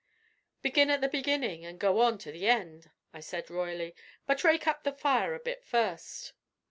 "Begin at the beginning and go on to the end," I said, royally. "But rake up the fire a bit first."